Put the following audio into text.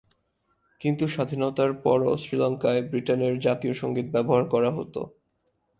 কিন্তু স্বাধীনতার পরও শ্রীলঙ্কায় ব্রিটেনের জাতীয় সংগীত ব্যবহার করা হত।